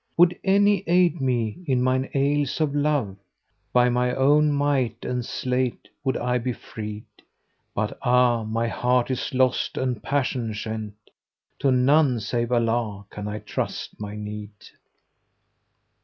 Would any aid me in mine ails of love, * By my own might and sleight would I be free'd: But ah! my heart is lost and passion shent: * To none save Allah can I trust my need!"